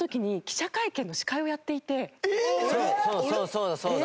そうだそうだ。